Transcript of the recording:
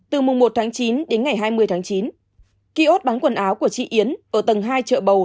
từ mùng một tháng chín đến ngày hai mươi tháng chín kiosk bán quần áo của chị yến ở tầng hai chợ bầu